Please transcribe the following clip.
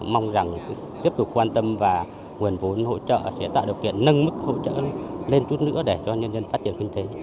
mong rằng tiếp tục quan tâm và nguồn vốn hỗ trợ sẽ tạo điều kiện nâng mức hỗ trợ lên chút nữa để cho nhân dân phát triển kinh tế